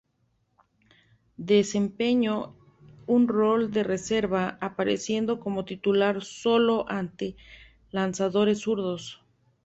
Desempeñó un rol de reserva, apareciendo como titular sólo ante lanzadores zurdos.